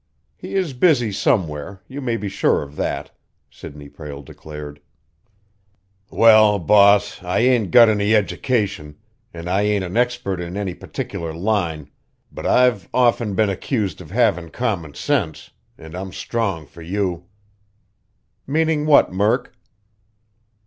"He is busy somewhere you may be sure of that," Sidney Prale declared. "Well, boss, I ain't got any education, and I ain't an expert in any particular line, but I've often been accused of havin' common sense, and I'm strong for you!" "Meaning what, Murk?"